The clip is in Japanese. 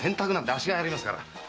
あっしがやりますから。